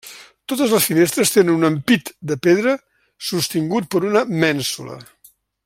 Totes les finestres tenen un ampit de pedra sostingut per una mènsula.